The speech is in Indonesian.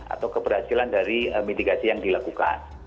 atau keberhasilan dari mitigasi yang dilakukan